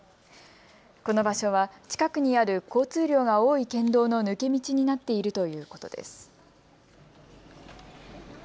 この場所は近くにある交通量が多い県道の抜け道になっているということです。